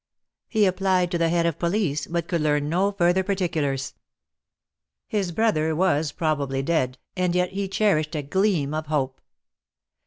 He applied to the Head of Police, but could learn no further par ticulars. His brother was probably dead, and yet he cherished a gleam of hope.